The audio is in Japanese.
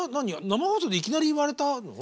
生放送でいきなり言われたの？